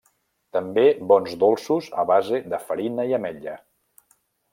També bons dolços a base de farina i ametla.